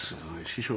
師匠。